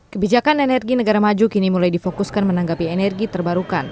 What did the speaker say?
kebijakan energi negara maju kini mulai difokuskan menanggapi energi terbarukan